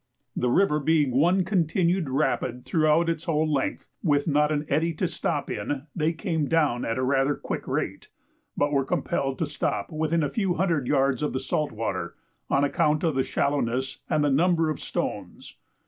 The river being one continued rapid throughout its whole length, with not an eddy to stop in, they came down at rather a quick rate, but were compelled to stop within a few hundred yards of the salt water, on account of the shallowness and the number of stones.